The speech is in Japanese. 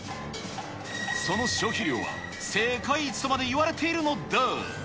その消費量は世界一とまでいわれているのだ。